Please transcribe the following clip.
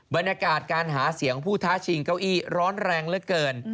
บรรยากาศการหาเสียงผู้ท้าชิงเก้าอี้ร้อนแรงเหลือเกิน